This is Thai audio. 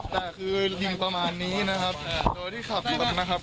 แต่คือยิงประมาณนี้นะครับโดยที่ขับรถนะครับ